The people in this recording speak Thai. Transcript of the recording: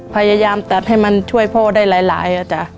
พยายามตัดให้มันช่วยพ่อได้หลายอ่ะจ๊ะ